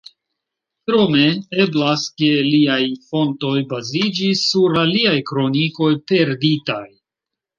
Krome, eblas ke liaj fontoj baziĝis sur aliaj kronikoj perditaj.